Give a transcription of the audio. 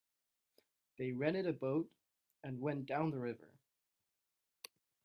They rented a boat and went down the river.